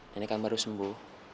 nenek akan baru sembuh